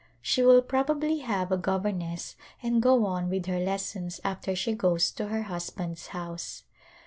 She will probably have a governess and go on with her lessons after she goes to her husband's house.